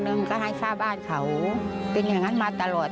หนึ่งก็ให้ค่าบ้านเขาเป็นอย่างนั้นมาตลอด